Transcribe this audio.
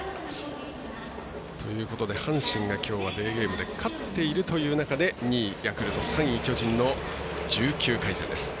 阪神がきょうはデーゲームで勝っているという中で２位、ヤクルト、３位、巨人の１９回戦です。